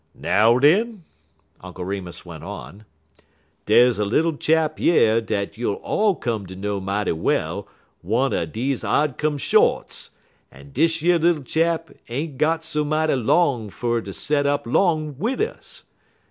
"Now, den," Uncle Remus went on, "dey's a little chap yer dat you'll all come ter know mighty well one er deze odd come shorts, en dish yer little chap ain't got so mighty long fer ter set up 'long wid us.